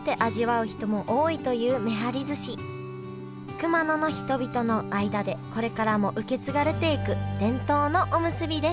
熊野の人々の間でこれからも受け継がれていく伝統のおむすびです